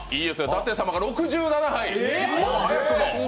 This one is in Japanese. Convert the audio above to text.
舘様が６７杯、早くも。